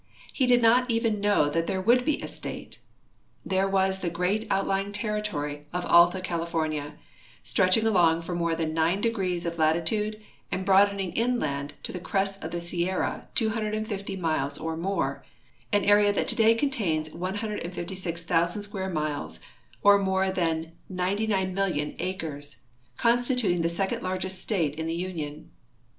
He did not even know that there would be a state. There was the great outlying territory of Alta Califor nia, stretching along for more than nine degrees of latitude and broadening inland to the crests of the Sierra 250 miles or more, an area that today contains 156,000 square miles, or more than 99,000,000 acres, constituting the second largest state in the Union.